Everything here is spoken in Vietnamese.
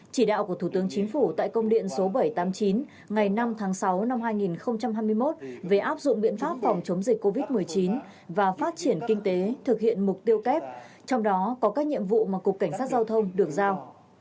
chỉ đạo của thủ tướng chính phủ tại công điện số bảy trăm tám mươi chín ngày năm tháng sáu năm hai nghìn hai mươi một về áp dụng biện pháp phòng chống dịch covid một mươi chín và phát triển kinh tế thực hiện mục tiêu kép trong đó có các nhiệm vụ mà cục cảnh sát giao thông được giao